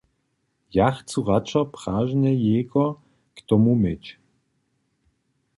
Ja chcu radšo pražene jejko k tomu měć.